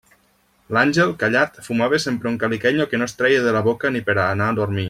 L'Àngel, callat, fumava sempre un caliquenyo que no es treia de la boca ni per a anar a dormir.